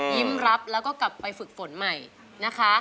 รับแล้วก็กลับไปฝึกฝนใหม่นะคะ